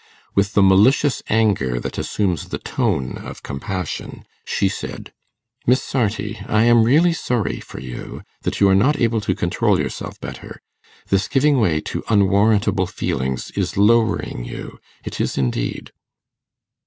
With the malicious anger that assumes the tone of compassion, she said, 'Miss Sarti, I am really sorry for you, that you are not able to control yourself better. This giving way to unwarrantable feelings is lowering you it is indeed.